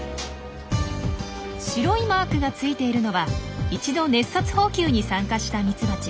白いマークがついているのは一度熱殺蜂球に参加したミツバチ。